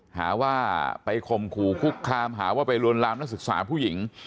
หาว่าไปข่มขู่คุกคามหาว่าไปลวนลามนักศึกษาผู้หญิง